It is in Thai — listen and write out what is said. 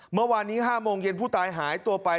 เมื่อวานนี้๕โมงเย็นผู้ตายหายตัวไป